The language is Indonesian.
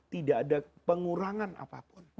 tidak ada pengurangan apapun